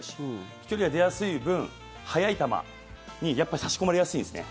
飛距離は出やすい分速い球にやっぱり差し込まれやすいんですね。